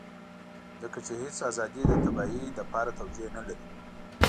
ځکه چې هېڅ ازادي د تباهۍ لپاره توجيه نه لري.